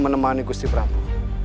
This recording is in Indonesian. menemani gusti pramu